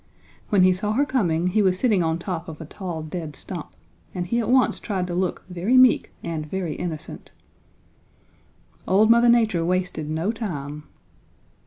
When he saw her coming he was sitting on top of a tall dead stump and he at once tried to look very meek and very innocent. "Old Mother Nature wasted no time.